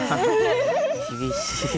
厳しい。